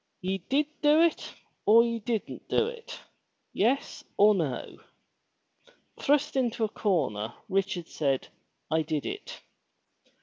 Ye did do it or ye didn't do it, — yes or no." Thrust into a corner, Richard said, *'I did it."